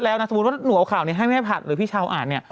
แล้วน่ะสมมติว่าหนูเอาข่าวนี้ให้แม่พัดหรือพี่ชาวอ่าน